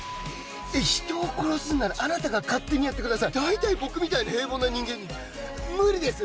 人を殺すならあなたが勝手にやってください。大体、僕みたいな平凡な人間に無理です。